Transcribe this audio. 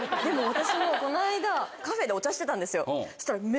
私もこの間カフェでお茶してたんですよ。